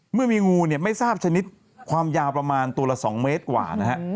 เมื่อมีงูเนี่ยไม่ทราบชนิดความยาวประมาณตัวละ๒เมตรกว่านะฮะ